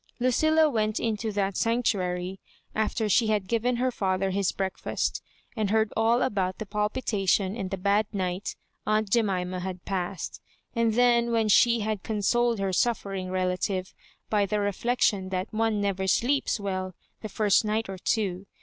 Lucilla went into that sanctuary after she had given her father his breakfast, and heard all about the palpitation and the bad night aunt Je mima had passed ; and then when she had con soled her suffering relative by the reflection that one never sleeps wpU the first night or two.